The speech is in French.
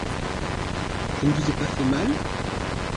Je ne vous ai pas fait mal ?